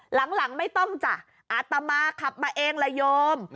หลังไม่ต้องจ้ะอาตมาขับมาเองละโยม